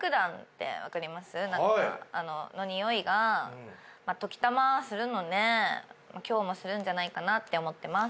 のにおいが時たまするので今日もするんじゃないかなって思ってます。